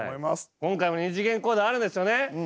今回も２次元コードあるんですよね？